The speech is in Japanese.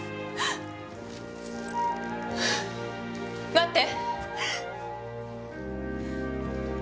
待って！